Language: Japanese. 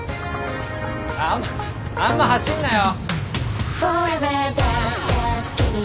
あんまあんま走んなよ。